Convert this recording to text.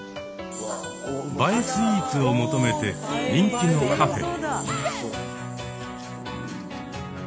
映えスイーツを求めて人気のカフェへ。